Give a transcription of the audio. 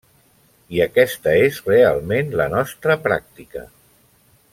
I aquesta és realment la nostra pràctica.